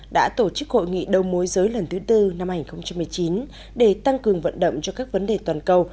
đã tổ chức hội nghị đầu mối giới lần thứ tư năm hai nghìn một mươi chín để tăng cường vận động cho các vấn đề toàn cầu